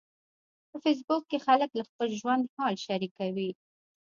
په فېسبوک کې خلک له خپل ژوند حال شریکوي.